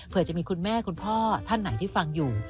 เพื่อจะมีคุณแม่คุณพ่อท่านไหนที่ฟังอยู่